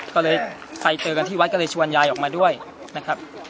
ก็เลยไปเจอกันที่วัดก็เลยชวนยายออกมาด้วยนะครับ